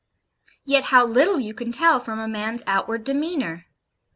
Yet how little you can tell from a man's outward demeanour!